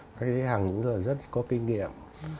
các giới hành rất là có kinh nghiệm